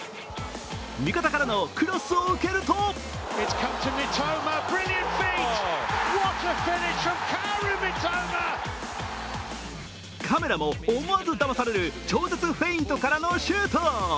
味方からのクロスを受けるとカメラも思わずだまされる超絶フェイントからのシュート。